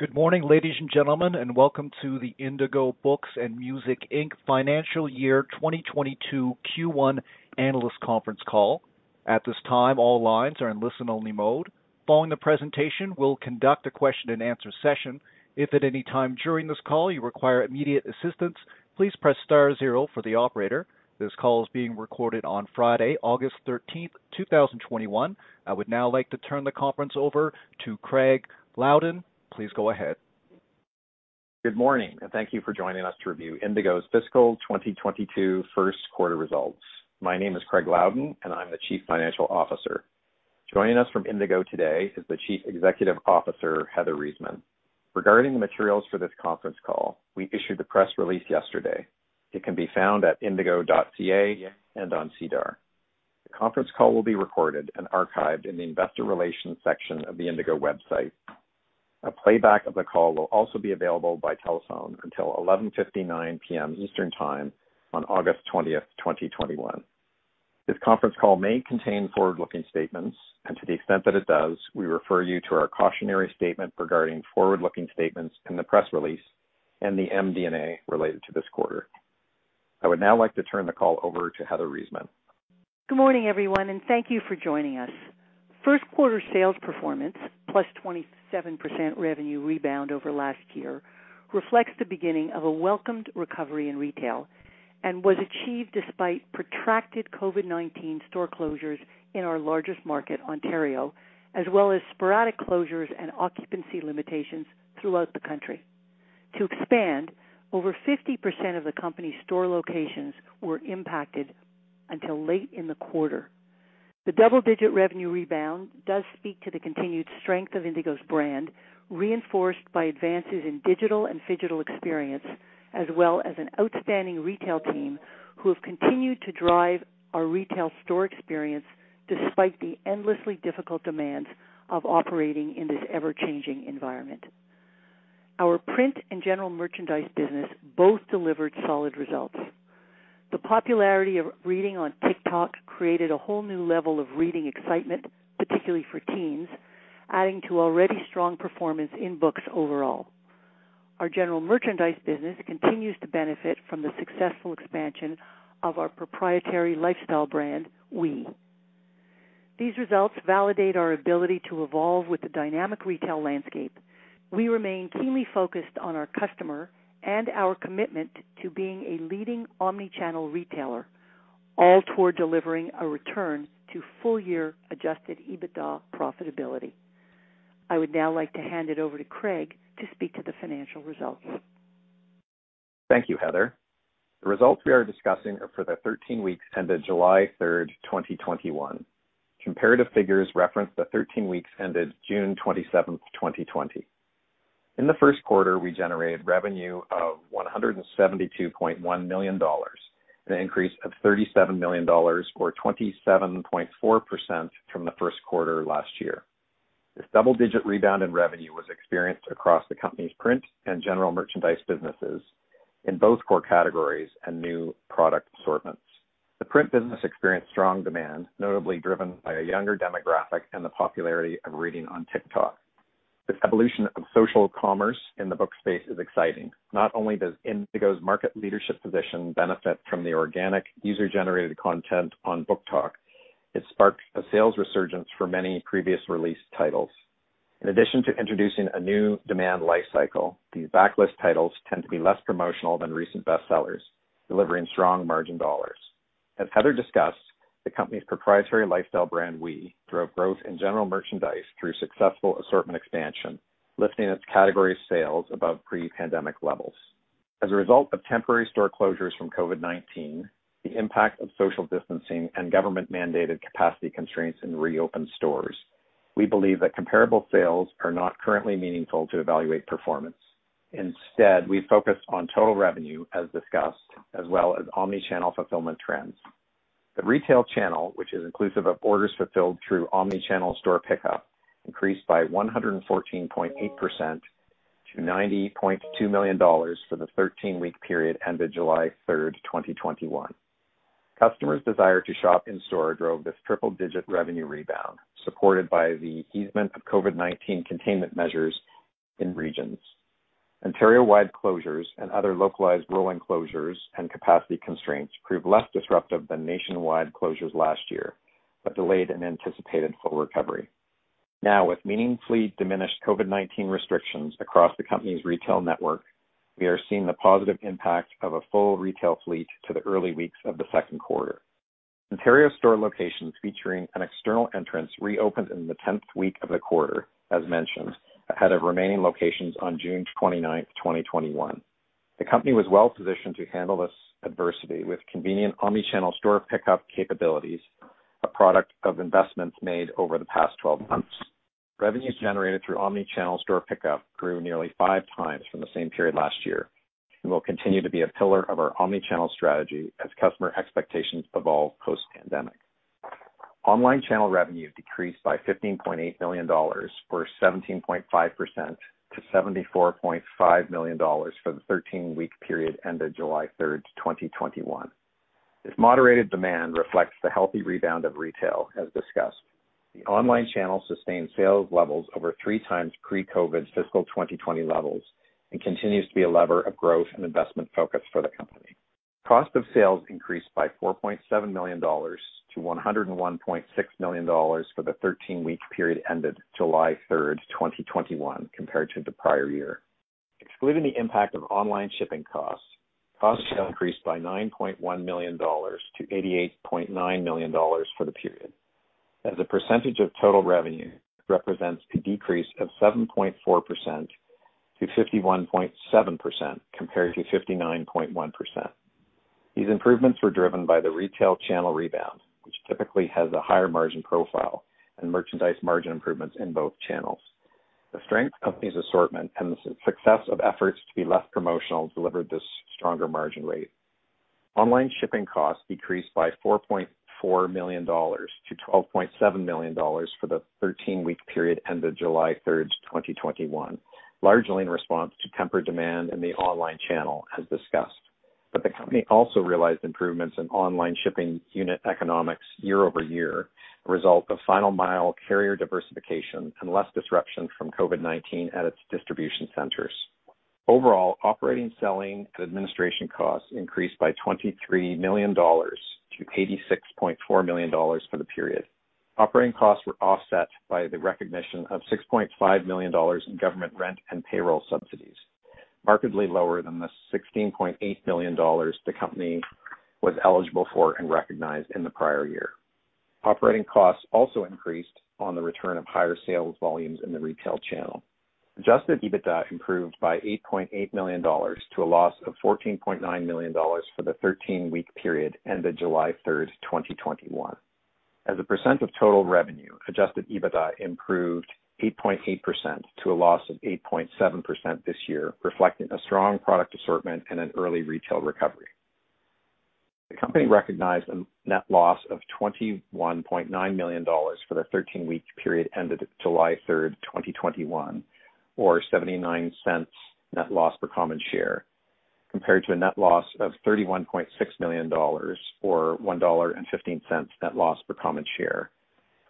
Good morning, ladies and gentlemen, and welcome to the Indigo Books & Music Inc Financial Year 2022 Q1 Analyst Conference Call. At this time, all lines are in listen-only mode. Following the presentation, we'll conduct a question and answer session. If at any time during this call you require immediate assistance, please press star zero for the operator. This call is being recorded on Friday, August 13th, 2021. I would now like to turn the conference over to Craig Loudon. Please go ahead. Good morning, and thank you for joining us to review Indigo's fiscal 2022 first quarter results. My name is Craig Loudon, and I'm the Chief Financial Officer. Joining us from Indigo today is the Chief Executive Officer, Heather Reisman. Regarding the materials for this conference call, we issued the press release yesterday. It can be found at indigo.ca and on SEDAR. The conference call will be recorded, and archived in the investor relations section of the Indigo website. A playback of the call will also be available by telephone until 11:59 P.M. Eastern Time on August 20th, 2021. This conference call may contain forward-looking statements, and to the extent that it does, we refer you to our cautionary statement regarding forward-looking statements in the press release, and the MD&A related to this quarter. I would now like to turn the call over to Heather Reisman. Good morning, everyone, thank you for joining us. First quarter sales performance, +27% revenue rebound over last year, reflects the beginning of a welcomed recovery in retail, and was achieved despite protracted COVID-19 store closures in our largest market, Ontario, as well as sporadic closures, and occupancy limitations throughout the country. To expand, over 50% of the company's store locations were impacted until late in the quarter. The double-digit revenue rebound does speak to the continued strength of Indigo's brand, reinforced by advances in digital, and phygital experience, as well as an outstanding retail team who have continued to drive our retail store experience despite the endlessly difficult demands of operating in this ever-changing environment. Our print, and general merchandise business both delivered solid results. The popularity of reading on TikTok created a whole new level of reading excitement, particularly for teens, adding to already strong performance in books overall. Our general merchandise business continues to benefit from the successful expansion of our proprietary lifestyle brand, OUI. These results validate our ability to evolve with the dynamic retail landscape. We remain keenly focused on our customer, and our commitment to being a leading omnichannel retailer, all toward delivering a return to full-year adjusted EBITDA profitability. I would now like to hand it over to Craig to speak to the financial results. Thank you, Heather. The results we are discussing are for the 13 weeks ended July 3rd, 2021. Comparative figures reference the 13 weeks ended June 27th, 2020. In the first quarter, we generated revenue of 172.1 million dollars, an increase of 37 million dollars, or 27.4% from the first quarter last year. This double-digit rebound in revenue was experienced across the company's print, and general merchandise businesses in both core categories, and new product assortments. The print business experienced strong demand, notably driven by a younger demographic, and the popularity of reading on TikTok. This evolution of social commerce in the book space is exciting. Not only does Indigo's market leadership position benefit from the organic user-generated content on BookTok, it sparked a sales resurgence for many previous released titles. In addition to introducing a new demand life cycle, these backlist titles tend to be less promotional than recent bestsellers, delivering strong margin dollars. As Heather discussed, the company's proprietary lifestyle brand, OUI, drove growth in general merchandise through successful assortment expansion, lifting its category sales above pre-pandemic levels. As a result of temporary store closures from COVID-19, the impact of social distancing, and government-mandated capacity constraints in reopened stores, we believe that comparable sales are not currently meaningful to evaluate performance. Instead, we focus on total revenue as discussed, as well as omnichannel fulfillment trends. The retail channel, which is inclusive of orders fulfilled through omnichannel store pickup, increased by 114.8% to 90.2 million dollars for the 13-week period ended July 3rd, 2021. Customers' desire to shop in-store drove this triple-digit revenue rebound, supported by the easement of COVID-19 containment measures in regions. Ontario-wide closures, and other localized rolling closures, and capacity constraints proved less disruptive than nationwide closures last year, but delayed an anticipated full recovery. Now, with meaningfully diminished COVID-19 restrictions across the company's retail network, we are seeing the positive impact of a full retail fleet to the early weeks of the second quarter. Ontario store locations featuring an external entrance reopened in the 10th week of the quarter, as mentioned, ahead of remaining locations on June 29th, 2021. The company was well-positioned to handle this adversity with convenient omnichannel store pickup capabilities, a product of investments made over the past 12 months. Revenues generated through omnichannel store pickup grew nearly five times from the same period last year, and will continue to be a pillar of our omnichannel strategy as customer expectations evolve post-pandemic. Online channel revenue decreased by 15.8 million dollars, or 17.5%, to 74.5 million dollars for the 13-week period ended July 3rd, 2021. This moderated demand reflects the healthy rebound of retail, as discussed. The online channel sustained sales levels over three times pre-COVID-19 fiscal 2020 levels, and continues to be a lever of growth, and investment focus for the company. Cost of sales increased by 4.7 million-101.6 million dollars for the 13-week period ended July 3rd, 2021, compared to the prior year. Excluding the impact of online shipping costs, cost of sales increased by 9.1 million-88.9 million dollars for the period. As a percentage of total revenue, represents a decrease of 7.4%-51.7%, compared to 59.1%. These improvements were driven by the retail channel rebound, which typically has a higher margin profile, and merchandise margin improvements in both channels. The strength of these assortment, and the success of efforts to be less promotional delivered this stronger margin rate. Online shipping costs decreased by 4.4 million-12.7 million dollars for the 13-week period ended July 3rd, 2021, largely in response to tempered demand in the online channel, as discussed. The company also realized improvements in online shipping unit economics year-over-year, a result of final-mile carrier diversification, and less disruptions from COVID-19 at its distribution centers. Overall, operating, selling, and administration costs increased by 23 million-86.4 million dollars for the period. Operating costs were offset by the recognition of 6.5 million dollars in government rent, and payroll subsidies, markedly lower than the 16.8 million dollars the company was eligible for, and recognized in the prior year. Operating costs also increased on the return of higher sales volumes in the retail channel. Adjusted EBITDA improved by 8.8 million dollars to a loss of 14.9 million dollars for the 13-week period ended July 3rd, 2021. As a percent of total revenue, adjusted EBITDA improved 8.8% to a loss of 8.7% this year, reflecting a strong product assortment, and an early retail recovery. The company recognized a net loss of 21.9 million dollars for the 13-week period ended July 3rd, 2021, or 0.79 net loss per common share, compared to a net loss of 31.6 million dollars, or 1.15 dollar net loss per common share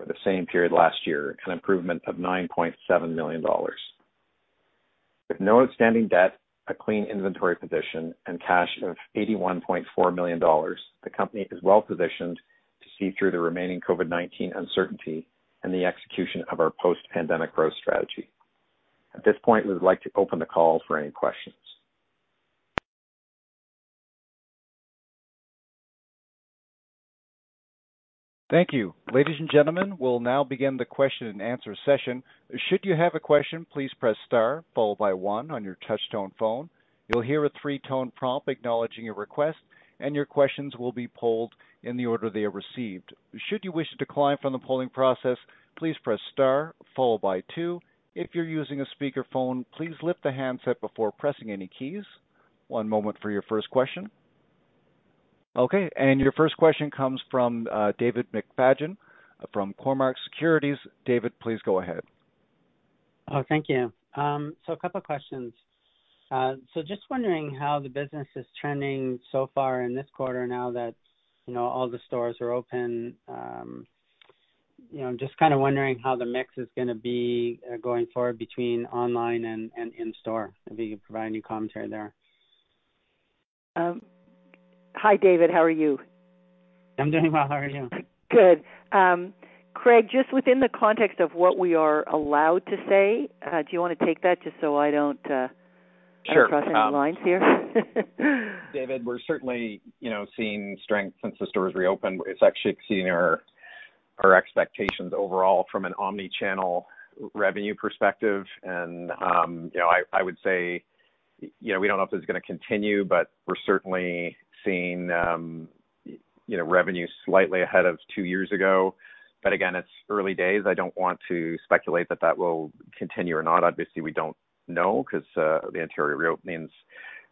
for the same period last year, an improvement of 9.7 million dollars. With no outstanding debt, a clean inventory position, and cash of 81.4 million dollars, the company is well-positioned to see through the remaining COVID-19 uncertainty, and the execution of our post-pandemic growth strategy. At this point, we would like to open the call for any questions. Thank you. Ladies and gentlemen, we'll now begin the question and answer session. Should you have a question, please press star, followed by one on your touch-tone phone. You'll hear a three-tone prompt acknowledging your request, and your questions will be polled in the order they are received. Should you wish to decline from the polling process, please press star, followed by two. If you're using a speakerphone, please lift the handset before pressing any keys. One moment for your first question. Okay. Your first question comes from David McFadgen from Cormark Securities. David, please go ahead. Oh, thank you. A couple of questions. Just wondering how the business is trending so far in this quarter now that all the stores are open. Just kind of wondering how the mix is going to be going forward between online and in-store. If you can provide any commentary there. Hi, David. How are you? I'm doing well. How are you? Good. Craig, just within the context of what we are allowed to say, do you wanna take that just so I don't? Sure Cross any lines here? David, we're certainly, you know, seeing strength since the stores reopened. It's actually exceeding our expectations overall from an omni-channel revenue perspective. I would say, yeah we don't know if this is gonna continue, but we're certainly seeing revenue slightly ahead of two years ago. Again, it's early days. I don't want to speculate that that will continue, or not. Obviously, we don't know because the Ontario reopening's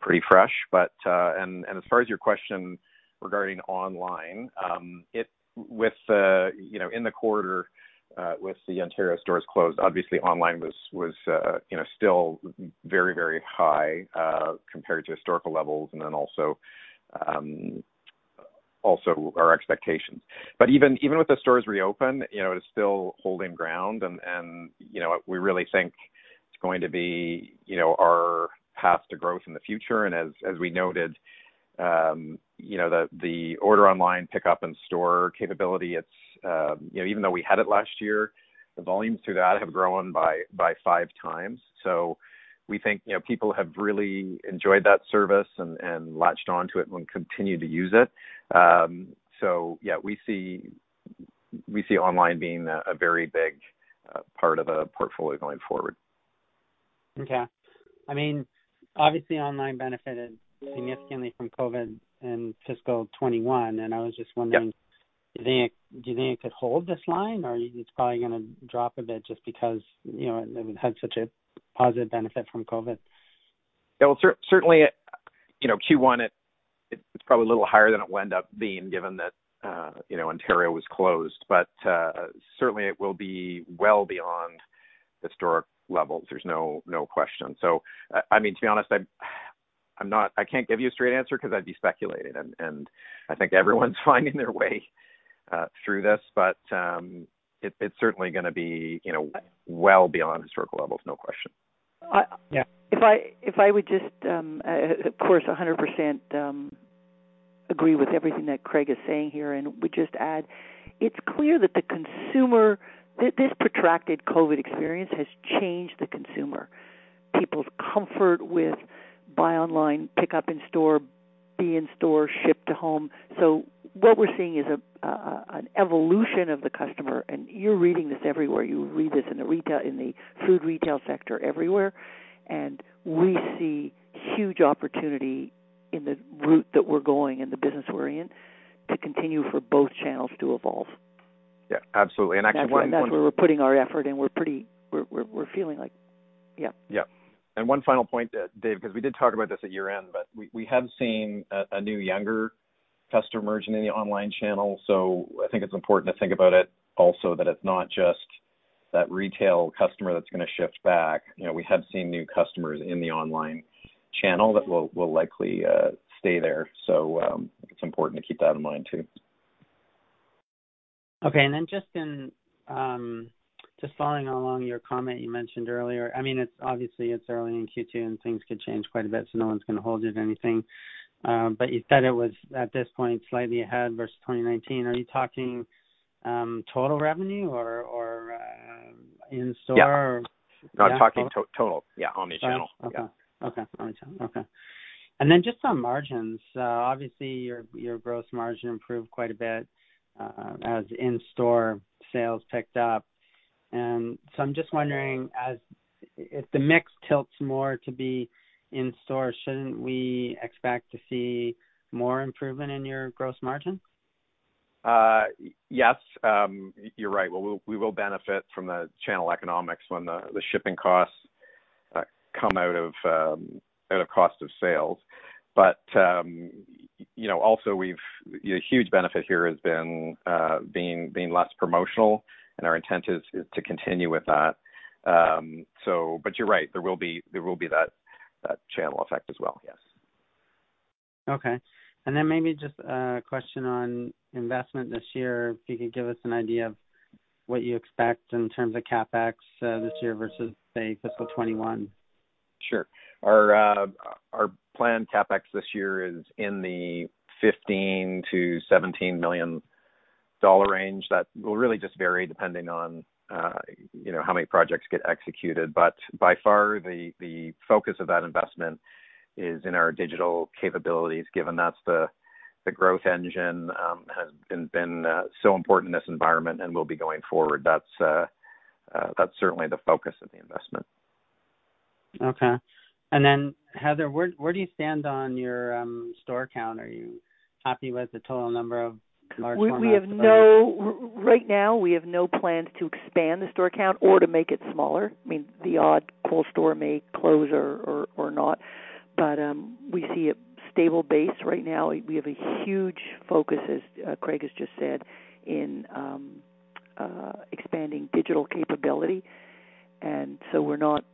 pretty fresh. As far as your question regarding online, with the, you know, in the quarter, with the Ontario stores closed, obviously online was a, was still very, very high compared to historical levels, and then also, also our expectations. Even with the stores reopened, you know, it is still holding ground, and we really think it's going to be, you know, our path to growth in the future. As we noted, the order online pickup in store capability, even though we had it last year, the volumes to that have grown by five times. We think people have really enjoyed that service, and latched onto it, and will continue to use it. Yeah, we see online being a very big part of the portfolio going forward. Okay. I mean, obviously online benefited significantly from COVID in fiscal 2021, I was just wondering? Yep. Do you think it could hold this line, or it's probably gonna drop a bit just because it had such a positive benefit from COVID? Well, certainly, Q1, it's probably a little higher than it will end up being given that Ontario was closed. Certainly, it will be well beyond historic levels, there's no question. I mean to be honest, I'm not, I can't give you a straight answer because I'd be speculating, and I think everyone's finding their way through this. It's certainly going to be well beyond historic levels, no question. Yeah. If I would just, of course, 100% agree with everything that Craig is saying here, and would just add, it's clear that the consumer, this protracted COVID-19 experience has changed the consumer. People's comfort with buy online, pick up in store, be in store, ship to home. What we're seeing is an evolution of the customer, and you're reading this everywhere. You read this in the retail, in the food retail sector everywhere, and we see huge opportunity in the route that we're going, and the business we're in to continue for both channels to evolve. Yeah, absolutely. Actually. That's where we're putting our effort, and we're pretty, we're feeling like yeah. Yeah. One final point, Dave, because we did talk about this at year-end, but we have seen a new younger customer emerging in the online channel. I think it's important to think about it, also that it's not just that retail customer that's going to shift back. We have seen new customers in the online channel that will likely stay there. It's important to keep that in mind, too. Okay. Just following along your comment you mentioned earlier, I mean it's obviously it's early in Q2, and things could change quite a bit, so no one's going to hold you to anything, but you said it was, at this point, slightly ahead versus 2019. Are you talking total revenue, or, or in store? Yeah. No, I'm talking total. Yeah, omnichannel. Okay. Omnichannel. Okay. Just on margins, obviously your gross margin improved quite a bit as in-store sales picked up. I'm just wondering, if the mix tilts more to be in store, shouldn't we expect to see more improvement in your gross margin? Yes. You're right. We will benefit from the channel economics when the shipping costs come out of cost of sales. Also, a huge benefit here has been being less promotional, and our intent is to continue with that. You're right, there will be, there will be that channel effect as well. Yes. Okay. Then maybe just a question on investment this year, if you could give us an idea of what you expect in terms of CapEx this year versus, say, fiscal 2021? Sure. Our planned CapEx this year is in the 15 million-17 million dollar range. That will really just vary depending on how many projects get executed. But by far, the focus of that investment is in our digital capabilities, given that's the growth engine, has been so important in this environment, and will be going forward. That's a, that's certainly the focus of the investment. Okay. Heather, where do you stand on your store count? Are you happy with the total number of large format stores? We have no, right now, we have no plans to expand the store count, or to make it smaller. The odd core store may close or not. We see a stable base right now. We have a huge focus, as Craig has just said, in expanding digital capability. We are not,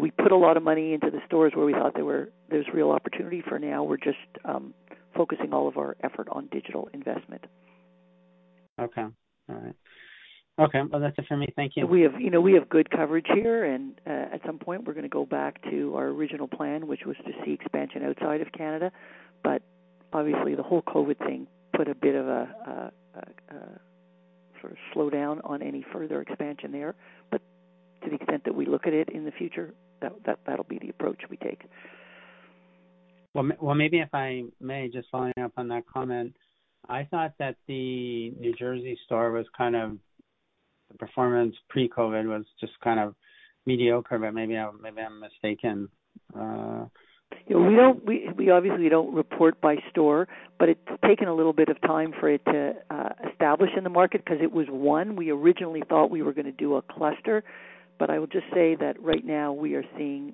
we put a lot of money into the stores where we thought there's real opportunity. For now, we're just focusing all of our effort on digital investment. Okay. All right. Okay, well, that's it for me. Thank you. We have good coverage here, and at some point, we're going to go back to our original plan, which was to see expansion outside of Canada. Obviously the whole COVID-19 thing put a bit of a sort of slowdown on any further expansion there. To the extent that we look at it in the future, that'll be the approach we take. Well, maybe if I may, just following up on that comment. I thought that the New Jersey store was kind of, the performance pre-COVID was just kind of mediocre, but maybe I'm mistaken. We don't, we obviously don't report by store, but it's taken a little bit of time for it to establish in the market because it was one, we originally thought we were going to do a cluster. I will just say that right now we are seeing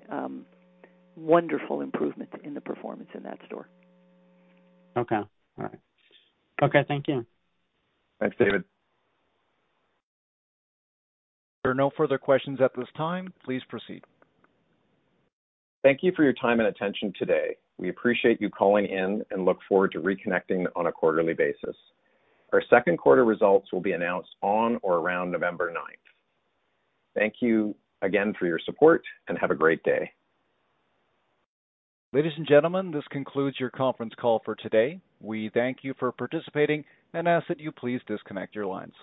wonderful improvement in the performance in that store. Okay. All right. Okay, thank you. Thanks, David. There are no further questions at this time. Please proceed. Thank you for your time and attention today. We appreciate you calling in, and look forward to reconnecting on a quarterly basis. Our second quarter results will be announced on, or around November 9th. Thank you again for your support, and have a great day. Ladies and gentlemen, this concludes your conference call for today. We thank you for participating, and ask that you please disconnect your lines.